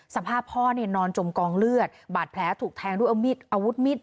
สภาพพ่อเนี่ยนอนจมกองเลือดบาดแผลถูกแทงด้วยอาวุธมีด